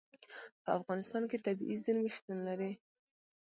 په افغانستان کې طبیعي زیرمې شتون لري.